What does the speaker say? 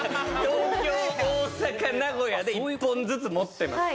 東京大阪名古屋で１本ずつ持ってます